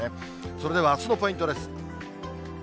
それではあすのポイントです。